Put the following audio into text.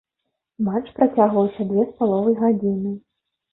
Матч працягваўся дзве з паловай гадзіны.